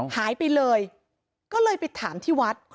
หายไปเลยก็เลยไปถามที่วัด